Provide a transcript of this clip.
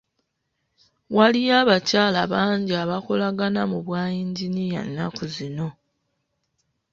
Waliyo abakyala bangi abakolagana mu bwa yinginiya nnaku zino.